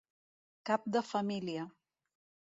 Cap de família.